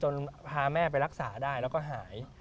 พาแม่ไปรักษาได้แล้วก็หาย